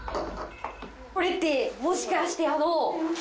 これってもしかしてあの？